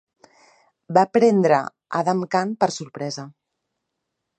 Va prendre Adham Khan per sorpresa.